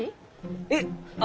えっ？あ。